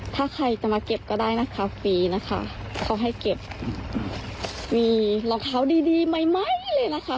ถ้าใครจะมาเก็บก็ได้นะคะฟรีนะคะเขาให้เก็บมีรองเท้าดีดีใหม่ใหม่เลยนะคะ